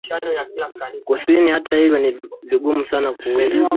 Kusini Hata hivyo ni vigumu sana kuwinda